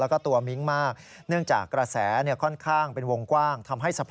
เพราะว่าคนที่ให้สัมภาษณ์ไปไม่ดี